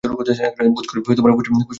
বোধ করি কুসুমই তাহার নাম হইবে।